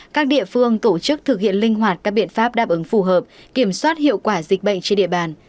các địa phương tổ chức thực hiện linh hoạt các biện pháp đáp ứng phù hợp kiểm soát hiệu quả dịch bệnh trên địa bàn